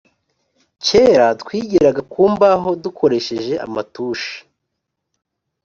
Kera twigiraga ku mbaho dukoresha amatushi